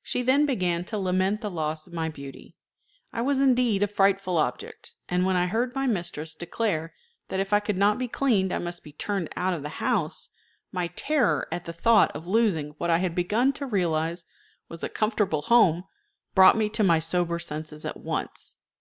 She then began to lament the loss of my beauty. I was indeed a frightful object; and when I heard my mistress declare that if I could not be cleaned I must be turned out of the house, my terror at the thought of losing what I had begun to realize was a comfortable home brought me to my sober senses at once.